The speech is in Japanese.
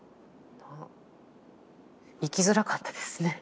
生きづらかったですね。